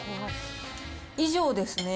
以上ですね。